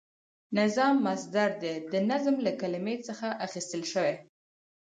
نظام مصدر دی د نظم له کلمی څخه اخیستل شوی،